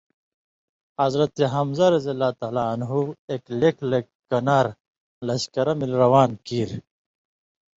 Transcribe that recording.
حضرت حمزہ رضی اللہ عنہ اېک لېکھ لَک کَنارہ (لشکرہ) مِلیۡ روان کیریۡ